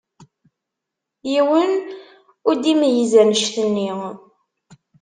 Yiwen ur d-imeyyez annect-nni.